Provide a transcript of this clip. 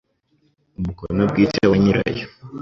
umukono bwite wa nyirayo